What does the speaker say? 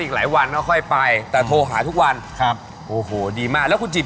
ก็ค่อยไปแต่โทรหาทุกวันครับโอ้โฮดีมากแล้วคุณจีบ